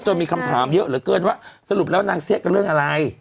มีคำถามเยอะเหลือเกินว่าสรุปแล้วนางเสี้ยกับเรื่องอะไร